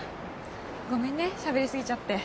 ごめんねしゃべり過ぎちゃって。